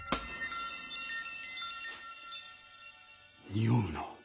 におうな。